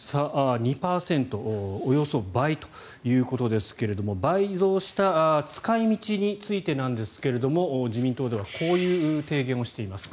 ２％およそ倍ということですが倍増した使い道についてなんですが自民党ではこういう提言をしています。